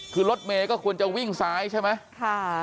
คือรถเมย์ก็ควรจะวิ่งซ้ายใช่ไหม